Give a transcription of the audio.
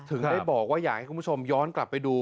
ถึงได้บอกว่าอยากให้คุณผู้ชมย้อนกลับไปดู